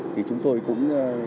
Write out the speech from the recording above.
thì chúng tôi cũng